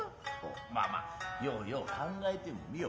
まあまあようよう考えてもみよ。